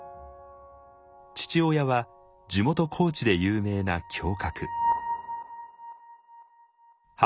父親は地元高知で有名な侠客。